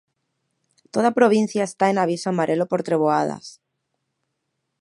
Toda a provincia está en aviso amarelo por treboadas.